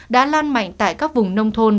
đã lan mạnh tại các vùng nông thôn